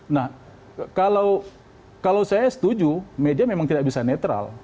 nah kalau saya setuju media memang tidak bisa netral